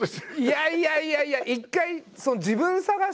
いやいやいやいや！